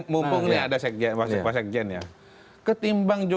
mumpungnya ada pak sekjen ya